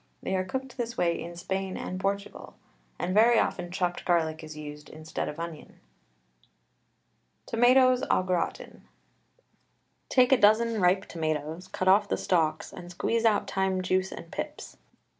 They are cooked this way in Spain and Portugal, and very often chopped garlic is used instead of onion. TOMATOES AU GRATIN. Take a dozen ripe tomatoes, cut off the stalks, and squeeze out time juice and pips.